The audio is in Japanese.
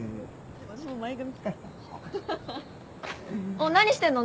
おっ何してんの？